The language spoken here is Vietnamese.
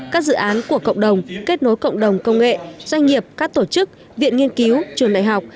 các dự án của cộng đồng kết nối cộng đồng công nghệ doanh nghiệp các tổ chức viện nghiên cứu trường đại học